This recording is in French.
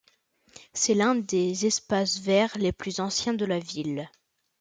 C'est l'un des espaces verts les plus anciens de la ville.